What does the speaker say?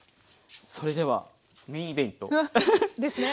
それではメインイベント。ですね。